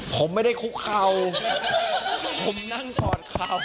ผมไม่ได้คุกเขาผมนั่งก่อนครับ